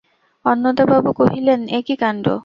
অন্নদাবাবু কহিলেন, এ কী কাণ্ড!